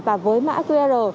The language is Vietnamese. và với mã qr